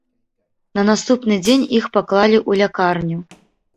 На наступны дзень іх паклалі ў лякарню.